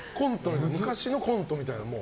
昔のコントみたいな。